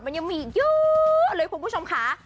มันยังมีอีกเยอะเลยคุณผู้ชมค่ะ